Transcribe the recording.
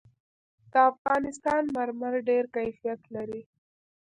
د افغانستان مرمر ډېر کیفیت لري.